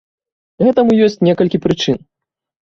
Гэтаму ёсць некалькі прычын.